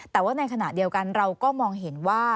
แต่ว่าในขณะเดียวกันเราก็มองเห็นว่า